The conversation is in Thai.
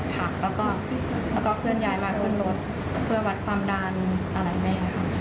ถักแล้วก็เคลื่อนย้ายมาเคลื่อนรถเคลื่อนวัดความดันอะไรแม่ค่ะ